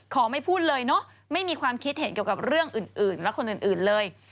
ไม่พูดเลยเนอะไม่มีความคิดเห็นเกี่ยวกับเรื่องอื่นและคนอื่นเลย